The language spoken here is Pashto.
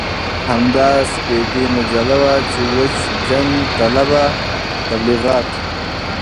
همدا سپېدې مجله وه چې د وچ جنګ طلبه تبليغات.